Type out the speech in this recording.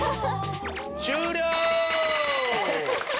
終了！